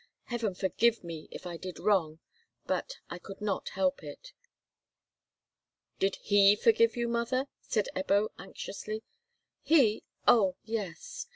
Heaven forgive me if I did wrong, but I could not help it." "Did he forgive you, mother?" said Ebbo, anxiously. "He—oh yes.